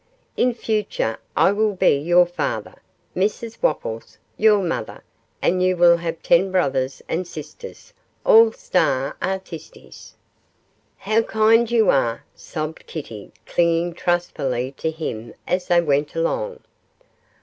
In future I will be your father; Mrs Wopples, your mother, and you will have ten brothers and sisters all star artistes.' 'How kind you are,' sobbed Kitty, clinging trustfully to him as they went along.